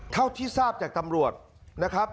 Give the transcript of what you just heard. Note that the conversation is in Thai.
เท่าที่ทราบจากตำรวจนะครับ